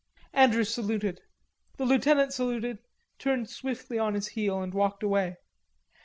Andrews saluted. The lieutenant saluted, turned swiftly on his heel and walked away.